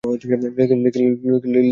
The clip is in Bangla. লিখে ওদের সবাইকে ফোন দে।